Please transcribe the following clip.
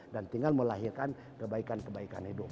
dan tinggal melahirkan kebaikan kebaikan hidup